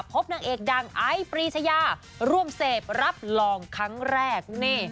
นางเอกดังไอซ์ปรีชยาร่วมเสพรับรองครั้งแรก